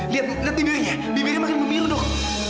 lihat liat bibirnya bibirnya makin mimpi dok